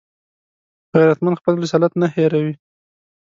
غیرتمند خپل رسالت نه هېروي